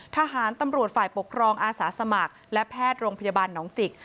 ทหารตำรวจฝ่ายปกครองอาสาสมัครและแพทย์โรงพยาบาลหนองจิก